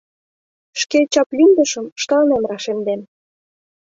Шке чаплӱмдышым шкаланем рашемдем.